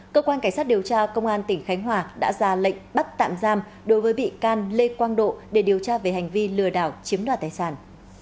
cơ quan cảnh sát điều tra công an tỉnh khánh hòa đã ra lệnh bắt tạm giam đối với bị can lê quang độ để điều tra về hành vi lừa đảo chiếm đoạt tài sản